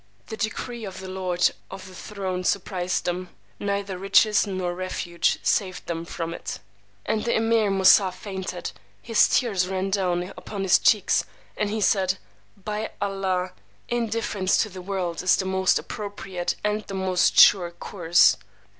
The decree of the Lord of the Throne surprised them. Neither riches nor refuge saved them from it. And the Emeer Moosà fainted; his tears ran down upon his cheeks, and he said, By Allah, indifference to the world is the most appropriate and the most sure course!